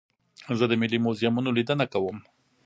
زه د ملي موزیمونو لیدنه کوم.